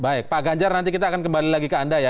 baik pak ganjar nanti kita akan kembali lagi ke anda ya